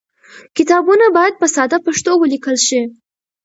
کتابونه باید په ساده پښتو ولیکل شي.